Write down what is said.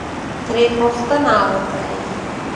ترې پوښتنه وکړئ،